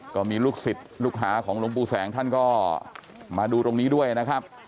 ก็มีลูกศิษย์ลูกหาของหลวงปู่แสงท่านก็มาดูตรงนี้ด้วยนะครับ